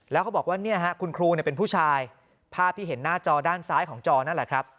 แล้วเขาบอกว่าเนี่ยฮะคุณครูเป็นผู้ชายภาพที่เห็นหน้าจอด้านซ้ายของจอนั่นแหละครับ